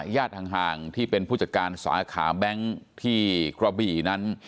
ห่างที่เป็นผู้จัดการสาขาแบงค์ที่กระบี่นั้น